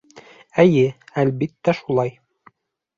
Эйе, әлбиттә шулай...